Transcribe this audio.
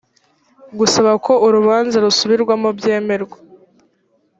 gusaba ko urubanza rusubirwamo byemerwa